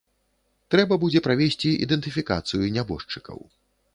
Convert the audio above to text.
Трэба будзе правесці ідэнтыфікацыю нябожчыкаў.